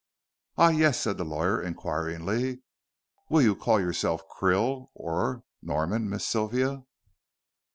"Ah yes!" said the lawyer, inquiringly. "Will you call yourself Krill or Norman, Miss Sylvia?"